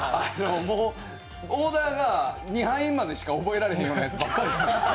オーダーが２杯までしか覚えられへんようなやつばっかりで。